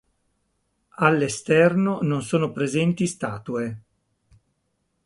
All'esterno non sono presenti statue.